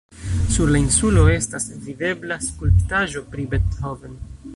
Sur la insulo estas videbla skulptaĵo pri Beethoven.